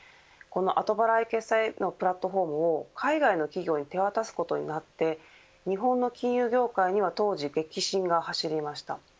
後払い決済のプラットホームを海外の企業に手渡すことになって日本の金融業界には当時、激震が走りました。